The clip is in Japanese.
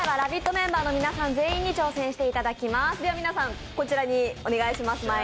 メンバー皆さん全員に挑戦していただきます。